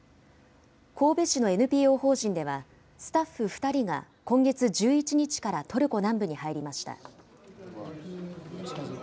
神戸市のＮＰＯ法人では、スタッフ２人が今月１１日からトルコ南部に入りました。